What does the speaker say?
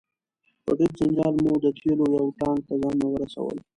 په ډیر جنجال مو د تیلو یو ټانک ته ځانونه ورسول.